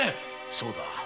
そうだ。